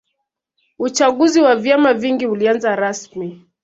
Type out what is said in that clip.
uchaguzi wa vyama vingi ulianza rasimi